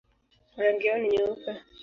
Rangi yao ni nyeupe.